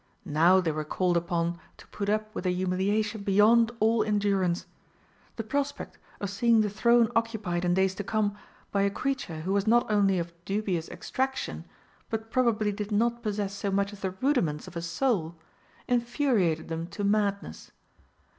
Now they were called upon to put up with a humiliation beyond all endurance. The prospect of seeing the throne occupied in days to come by a creature who was not only of dubious extraction, but probably did not possess so much as the rudiments of a soul, infuriated them to madness.